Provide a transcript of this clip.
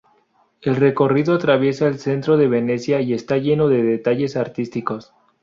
El recorrido atraviesa el centro de Venecia y está lleno de detalles artísticos.